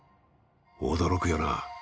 驚くよな。